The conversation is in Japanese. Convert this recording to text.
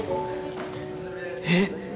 えっ？